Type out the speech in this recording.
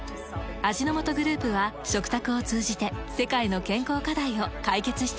味の素グループは食卓を通じて世界の健康課題を解決していきます。